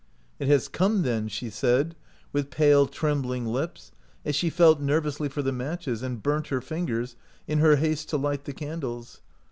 " It has come, then," she said, with pale, trembling lips, as she felt nervously for the matches, and burnt her fingers in her haste to light the candles.